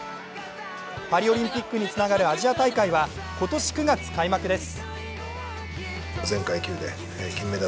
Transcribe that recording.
パリオリンピックにつながるアジア大会は今年９月開幕です。